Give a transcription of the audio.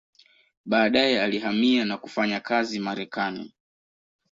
Baadaye alihamia na kufanya kazi Marekani.